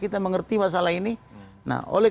kita mengerti masalah ini nah oleh